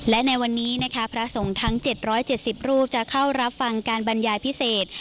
และในวันนี้นะคะพระส่งทั้งเจ็ดร้อยเจ็ดสิบรูปจะเข้ารับฟังการบรรยายพิเศษ